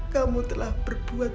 kamu telah berbuat